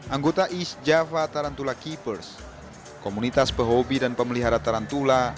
anggota east java tarantula keepers komunitas pehobi dan pemelihara tarantula